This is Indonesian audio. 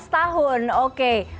dua belas tahun oke